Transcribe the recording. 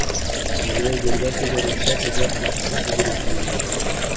په لویه جرګه کي د روغتیا په برخه کي څه خبري کیږي؟